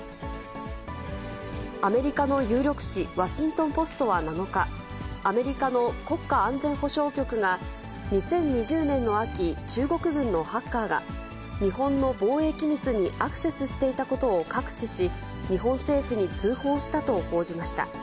アメリカの有力紙、ワシントンポストは７日、アメリカの国家安全保障局が、２０２０年の秋、中国軍のハッカーが、日本の防衛機密にアクセスしていたことを覚知し、日本政府に通報したと報じました。